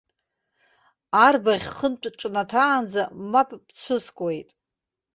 Арбаӷь хынтә ҿнаҭаанӡа мап бцәыскуеит?